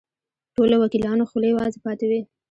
ټولو وکیلانو خولې وازې پاتې وې.